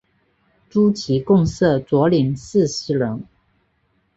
诸旗共设佐领四十人。